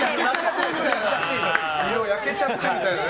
焼けちゃってみたいなね。